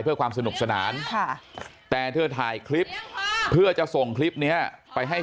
เพื่อความสนุกสนานแต่เธอถ่ายคลิปเพื่อจะส่งคลิปนี้ไปให้